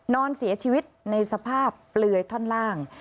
นอนเสียชีวิตในสภาพเปลือยท่อนล่าง